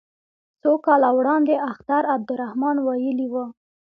څو کاله وړاندې اختر عبدالرحمن ویلي وو.